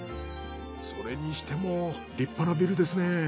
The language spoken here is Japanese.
それにしても立派なビルですね。